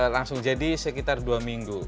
langsung jadi sekitar dua minggu